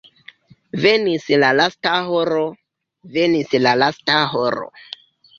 Venis la lasta horo, venis la lasta horo!